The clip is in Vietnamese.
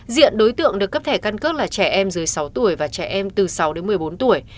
diện đối tượng được cấp thẻ căn cước là trẻ em dưới sáu tuổi và trẻ em từ sáu đến một mươi bốn tuổi